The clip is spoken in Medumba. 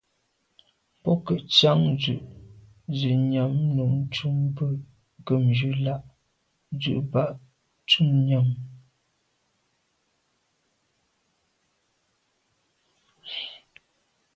Bo ke ntsian dù’ ze nyam num ntum bwe nkebnjù l’a ndù bag ntum nyam.